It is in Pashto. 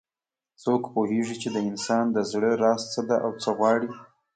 څوک پوهیږي چې د انسان د زړه راز څه ده او څه غواړي